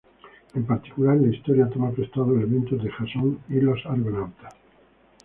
En particular, la historia toma prestados elementos de "Jason y los argonautas".